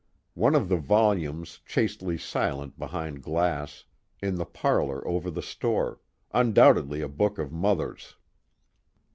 One of the volumes chastely silent behind glass, in the parlor over the store, undoubtedly a book of Mother's.